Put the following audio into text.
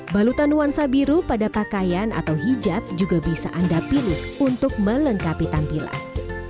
balutan nuansa biru pada pakaian atau hijab juga bisa anda pilih untuk melengkapi tampilan